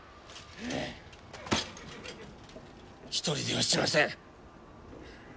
一人では死なせん。